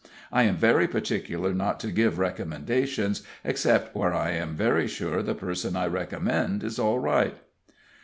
I am very particular not to give recommendations except where I am very sure the person I recommend is all right.